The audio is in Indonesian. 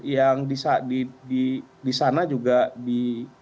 yang di sana juga di